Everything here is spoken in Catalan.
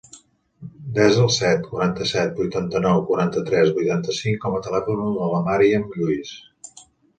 Desa el set, quaranta-set, vuitanta-nou, quaranta-tres, vuitanta-cinc com a telèfon de la Maryam Lluis.